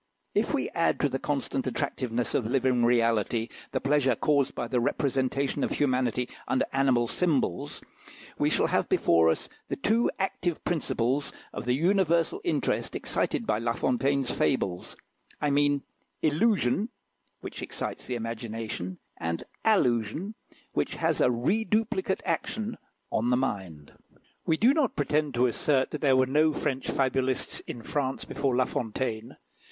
If we add to the constant attractiveness of living reality the pleasure caused by the representation of humanity under animal symbols, we shall have before us the two active principles of the universal interest excited by La Fontaine's fables I mean illusion, which excites the imagination; and allusion, which has a reduplicate action on the mind. We do not pretend to assert that there were no French fabulists in France before La Fontaine.